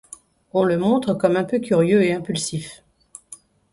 On le montre comme un peu curieux et impulsif.